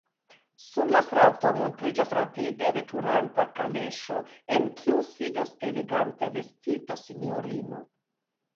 Sur la strato montriĝas rapide veturanta kaleŝo, en kiu sidas elegante vestita sinjorino.